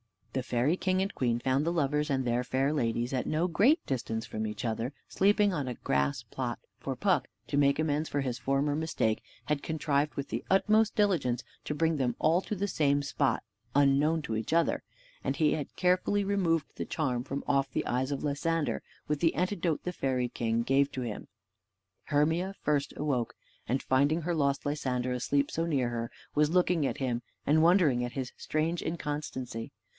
The fairy king and queen found the lovers and their fair ladies, at no great distance from each other, sleeping on a grass plot; for Puck, to make amends for his former mistake, had contrived with the utmost diligence to bring them all to the same spot, unknown to each other; and he had carefully removed the charm from off the eyes of Lysander with the antidote the fairy king gave to him. Hermia first awoke, and finding her lost Lysander asleep so near her, was looking at him and wondering at his strange inconstancy.